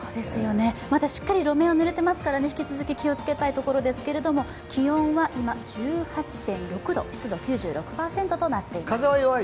まだしっかり路面は濡れてますから引き続き気をつけたいところですけど気温は今、１８．６度となっています。